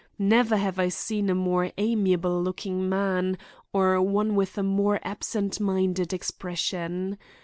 Never have I seen a more amiable looking man, or one with a more absentminded expression.